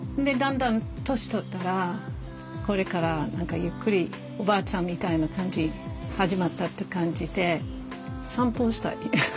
だんだん年取ったらこれから何かゆっくりおばあちゃんみたいな感じ始まったって感じで散歩したい。